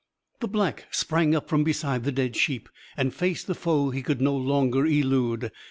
The Black sprang up from beside the dead sheep, and faced the foe he could no longer elude.